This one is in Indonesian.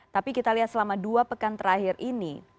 tapi kita lihat selama dua pekan terakhir ini